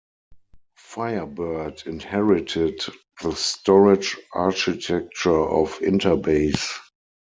Firebird inherited the storage architecture of Interbase.